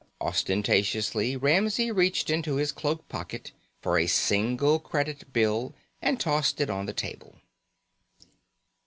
Ostentatiously, Ramsey reached into his cloak pocket for a single credit bill and tossed it on the table.